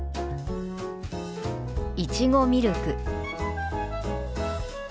「いちごミルク」。